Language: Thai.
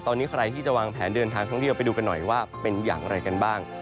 ตอนนี้ใครที่จะวางแผนเดินทางท่องเที่ยวไปดูกันหน่อยว่าเป็นอย่างไรกันบ้าง